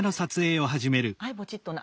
はいポチッとな。